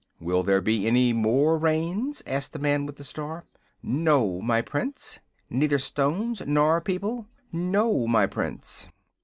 "Will there be any more Rains?" asked the man with the star. "No, my Prince." "Neither stones nor people?" "No, my Prince."